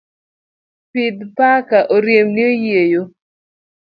Pidh paka oriembni oyieyo.